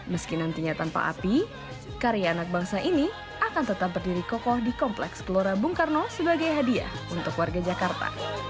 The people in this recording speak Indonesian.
meski nantinya tanpa api karya anak bangsa ini akan tetap berdiri kokoh di kompleks gelora bung karno sebagai hadiah untuk warga jakarta